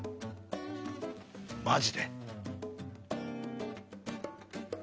マジで？